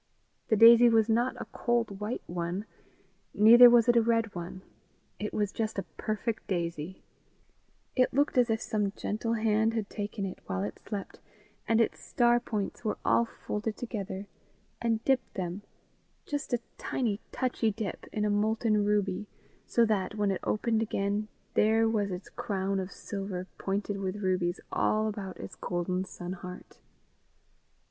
The daisy was not a cold white one, neither was it a red one; it was just a perfect daisy: it looked as if some gentle hand had taken it, while it slept and its star points were all folded together, and dipped them just a tiny touchy dip, in a molten ruby, so that, when it opened again, there was its crown of silver pointed with rubies all about its golden sun heart.